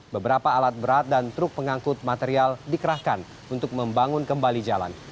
beberapa alat berat dan truk pengangkut material dikerahkan untuk membangun kembali jalan